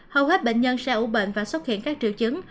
hầu hết bệnh nhân sẽ ủ bệnh và xuất hiện các triệu chứng